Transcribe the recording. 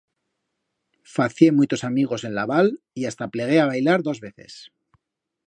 Facié muitos amigos en la val y hasta plegué a bailar dos veces.